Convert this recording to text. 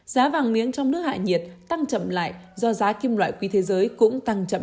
giá vàng miếng trong nước hại nhiệt tăng chậm lại do giá kim loại quý thế giới cũng tăng chậm